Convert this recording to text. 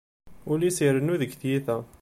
Ul-is irennu deg tyita.